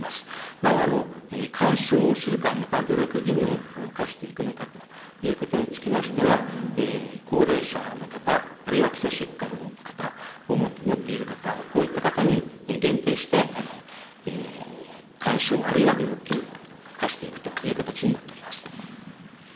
なお、勧奨するか、または努力義務を課していくのかということにつきましては、高齢者の方、あるいは基礎疾患を持っている方、こういった方に限定して、勧奨、あるいは努力義務を課していくという形になっております。